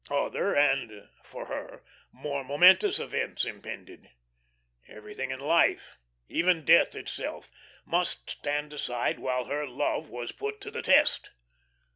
Other and for her more momentous events impended. Everything in life, even death itself, must stand aside while her love was put to the test.